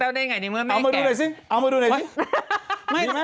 เอามาดูหน่อยสิเอามาดูหน่อยสิ